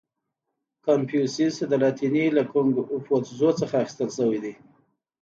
• کنفوسیوس د لاتیني له کونګ فو تزو څخه اخیستل شوی دی.